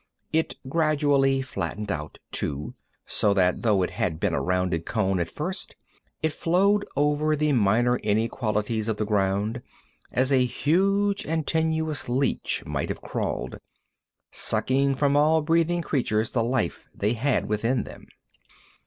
It gradually flattened out, too, so that though it had been a rounded cone at first, it flowed over the minor inequalities of the ground as a huge and tenuous leech might have crawled, sucking from all breathing creatures the life they had within them.